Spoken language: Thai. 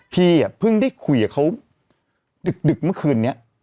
พี่เพิ่งได้คุยกับเขาดึกเมื่อคืนนี้